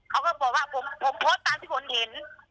เขาก็บอกว่าผมโพสต์ตามที่ผมเห็น